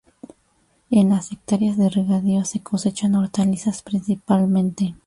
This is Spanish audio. En las hectáreas de regadío se cosechan hortalizas principalmente.